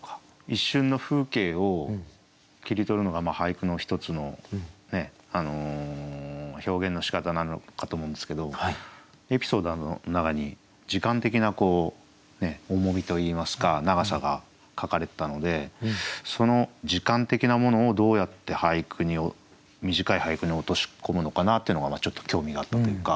一瞬の風景を切り取るのが俳句の一つの表現のしかたなのかと思うんですけどエピソードの中に時間的な重みといいますか長さが書かれてたのでその時間的なものをどうやって短い俳句に落とし込むのかなっていうのがちょっと興味があったというか。